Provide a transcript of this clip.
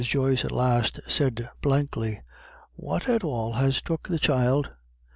Joyce at last said blankly: "What at all has took the child?"